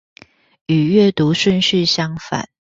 與閱讀順序相反